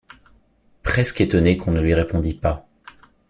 Presque étonné qu’on ne lui répondît pas.